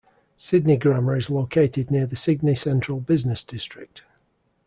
Sydney Grammar is located near the Sydney central business district.